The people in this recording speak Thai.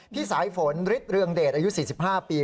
พี่สายฝนริดเรื่องเดชอายุ๔๕ปี